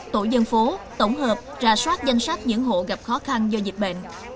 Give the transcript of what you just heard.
tổ dân phố tổng hợp ra soát danh sách những hộ gặp khó khăn do dịch bệnh